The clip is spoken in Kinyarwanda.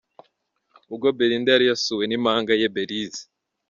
Ubwo Belinda yari yasuwe n'impanga ye Belise.